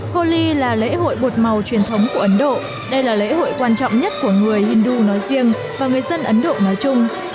holi là lễ hội bột màu truyền thống của ấn độ đây là lễ hội quan trọng nhất của người hindu nói riêng và người dân ấn độ nói chung